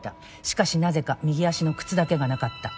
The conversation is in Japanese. しかしなぜか右足の靴だけがなかった。